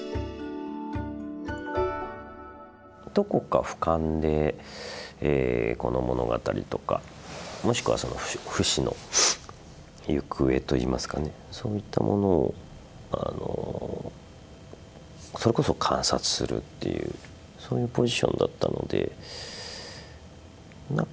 どこか俯瞰でこの物語とかもしくはそのフシの行方といいますかねそういったものをそれこそ観察するっていうそういうポジションだったのでなんか